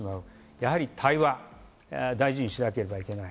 やはり対話を大事にしなければいけない。